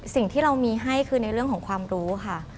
สิ่งที่เรามีให้คือในเรื่องของความรู้ค่ะ